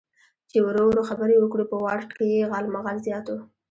چې ورو ورو خبرې وکړو، په وارډ کې یې غالمغال زیات و.